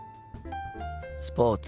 スポーツ。